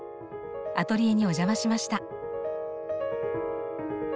アトリエにお邪魔しました。